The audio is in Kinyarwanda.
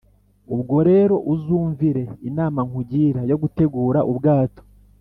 ubwo rero uzumvire (inama nkugira) yo gutegura ubwato